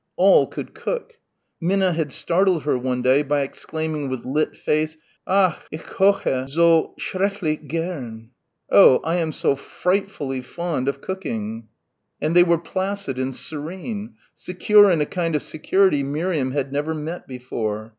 All could cook. Minna had startled her one day by exclaiming with lit face, "Ach, ich koche so schrecklich gern!" ... Oh, I am so frightfully fond of cooking.... And they were placid and serene, secure in a kind of security Miriam had never met before.